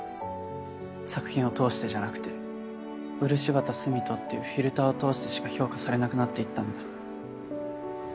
作品を通してじゃなくて漆畑澄人っていうフィルターを通してしか評価されなくなっていったんだ。